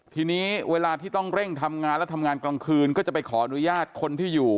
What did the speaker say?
ทีนี้เวลาที่ต้องเร่งทำงานและทำงานกลางคืนก็จะไปขออนุญาตคนที่อยู่